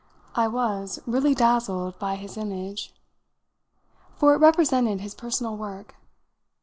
I was really dazzled by his image, for it represented his personal work.